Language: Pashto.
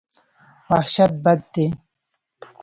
وحشت بد دی.